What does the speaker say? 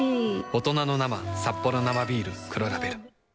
大人の生、サッポロ生ビール黒ラベル。